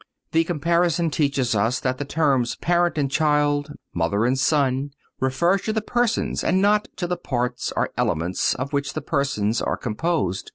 The comparison teaches us that the terms parent and child, mother and son, refer to the persons and not to the parts or elements of which the persons are composed.